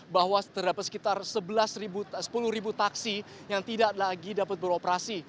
bahwa terdapat sekitar sepuluh ribu taksi yang tidak lagi dapat beroperasi